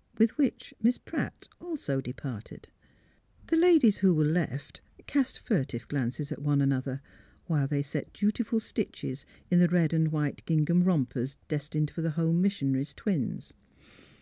'' With which Miss Pratt also departed. The ladies who were left cast furtive glances at one another, while they set dutiful stitches in the red and white gingham rompers destined for the home missionary's twins.